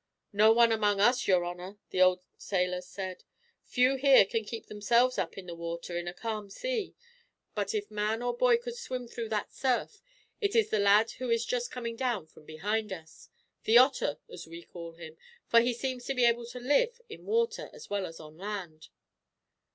"No one among us, your honor," the old sailor said. "Few here can keep themselves up in the water, in a calm sea; but if man or boy could swim through that surf, it is the lad who is just coming down from behind us. The Otter, as we call him, for he seems to be able to live, in water, as well as on land."